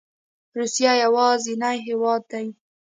روسیه یوازینی هیواد دی